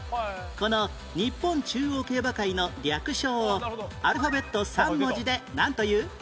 この日本中央競馬会の略称をアルファベット３文字でなんという？